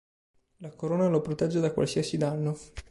La corona lo protegge da qualsiasi danno.